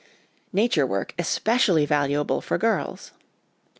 Nature Work especially valuable for Girls.